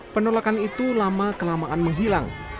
penolakan itu lama kelamaan menghilang